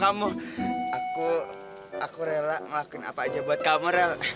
kamu aku rela ngelakuin apa aja buat kamu rel